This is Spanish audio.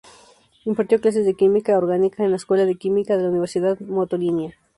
Impartió clases de química orgánica en la Escuela de Química de la Universidad Motolinía.